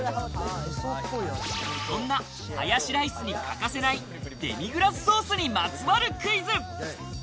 そんなハヤシライスに欠かせない、デミグラスソースにまつわるクイズ。